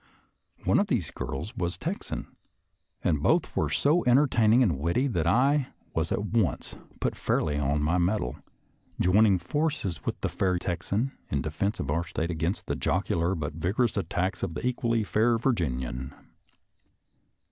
One of these girls was a Texan, and both were so en AFTER CHANCELLOESVILIiE 117 tertaining and witty that I was at once put fairly on my mettle, joining forces with the fair Texan in defense of our State against the jocular but vigorous attacks of the equally fair Virginian.